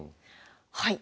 はい。